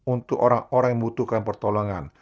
untuk orang orang yang membutuhkan pertolongan